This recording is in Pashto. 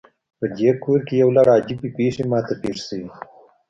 پدې کور کې یو لړ عجیبې پیښې ما ته پیښ شوي